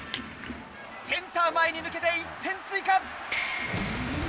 センター前に抜けて１点追加。